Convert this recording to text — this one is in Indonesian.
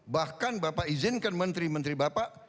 bahkan bapak izinkan menteri menteri bapak